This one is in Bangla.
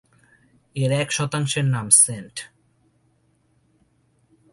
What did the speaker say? এর এক শতাংশের নাম সেন্ট।